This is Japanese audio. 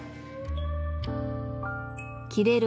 切れる